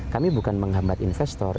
kami bukan menghambat investor